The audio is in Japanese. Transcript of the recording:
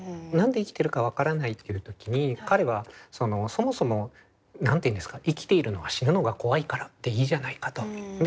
何で生きてるか分からないっていう時に彼はそもそも何て言うんですか「生きているのは死ぬのが怖いからでいいじゃないか」と。